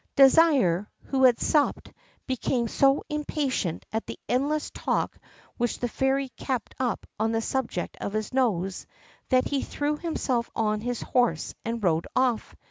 Désir, who had supped, became so impatient at the endless talk which the Fairy kept up on the subject of his nose, that he threw himself on his horse and rode off.